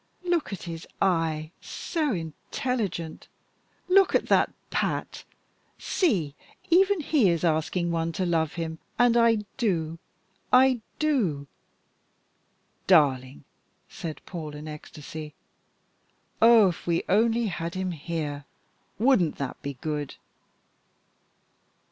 "Look at his eye! so intelligent; look at that patte! See, even he is asking one to love him and I do I do " "Darling!" said Paul in ecstasy, "oh, if we only had him here, wouldn't that be good!"